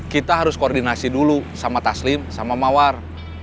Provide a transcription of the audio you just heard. kita harus koordinasi dulu sama taslim sama mawar